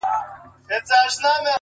د هندوستان و لور ته مه ځه!